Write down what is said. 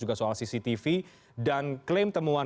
juga soal cctv dan klaim temuan